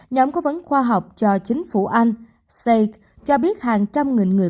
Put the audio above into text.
nhóm cố vấn khoa học cho chính phủ anh see cho biết hàng trăm nghìn người